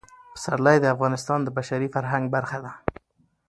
پسرلی د افغانستان د بشري فرهنګ برخه ده.